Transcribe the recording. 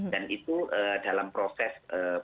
dan itu dalam proses